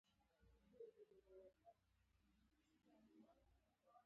استاد د ښه ژوند راز ښيي.